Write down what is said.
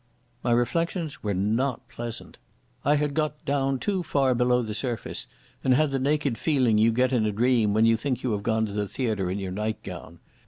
My reflections were not pleasant. I had got down too far below the surface, and had the naked feeling you get in a dream when you think you have gone to the theatre in your nightgown.